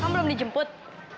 kamu belum dijemput